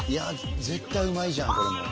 絶対うまいじゃんこれも。